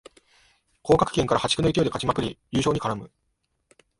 降格圏から破竹の勢いで勝ちまくり優勝に絡む